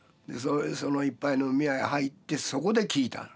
その一杯飲み屋へ入ってそこで聞いたの。